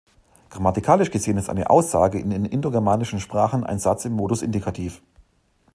Grammatikalisch gesehen ist eine Aussage in den Indogermanischen Sprachen ein Satz im Modus Indikativ.